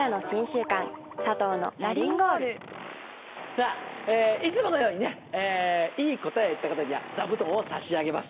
さぁいつものようにねいい答えを言った方には座布団を差し上げます。